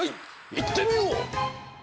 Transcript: いってみよう！